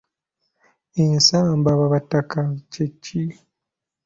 Ensambabataka kye ki?